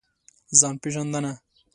ځان پېژندنه.